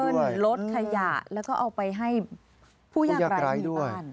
รีไซเคิลลดขยะแล้วก็เอาไปให้ผู้ยากร้ายอยู่บ้าน